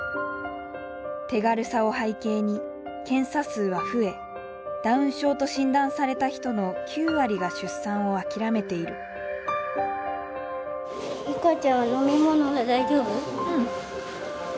手軽さを背景に検査数は増えダウン症と診断された人の９割が出産を諦めているうん。